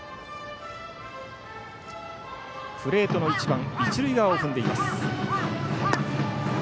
プレートの一番一塁側を踏んでいます。